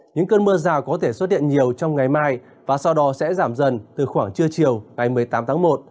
những cơn mưa rào có thể xuất hiện nhiều trong ngày mai và sau đó sẽ giảm dần từ khoảng trưa chiều ngày một mươi tám tháng một